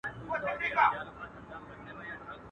څه را مه که، زړه مي ازار مه که.